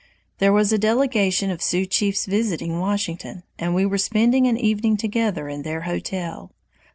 There was a delegation of Sioux chiefs visiting Washington, and we were spending an evening together in their hotel.